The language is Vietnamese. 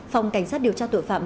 phòng cảnh sát điều tra tội phạm